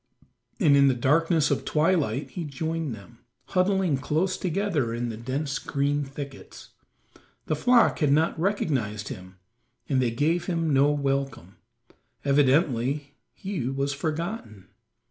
And in the darkness of twilight he joined them, huddling close together in the dense green thickets. The flock had not recognized him and they gave him no welcome; evidently he was forgotten.